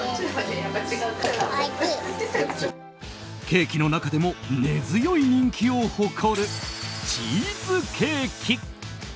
ケーキの中でも根強い人気を誇るチーズケーキ。